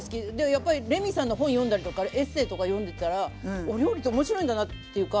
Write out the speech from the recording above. やっぱりレミさんの本読んだりとかエッセーとか読んでたらお料理って面白いんだなっていうか。